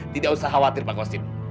tidak usah khawatir pak kosim